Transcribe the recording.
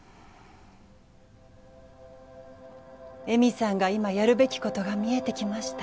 江美さんが今やるべきことが視えてきました。